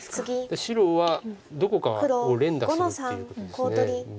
白はどこかを連打するっていうことです。